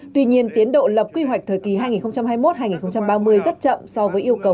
tuy nhiên tiến độ lập quy hoạch thời kỳ hai nghìn hai mươi một hai nghìn ba mươi rất chậm so với yêu cầu